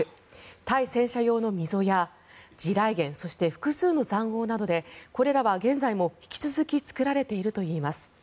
対戦車用の溝や地雷原そして複数の塹壕などでこれらは現在も、引き続き作られているといいます。